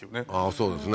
そうですね